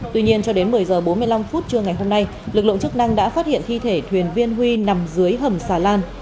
tuy nhiên cho đến một mươi h bốn mươi năm phút trưa ngày hôm nay lực lượng chức năng đã phát hiện thi thể thuyền viên huy nằm dưới hầm xà lan